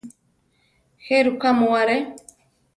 ¿Jéruka mu aré?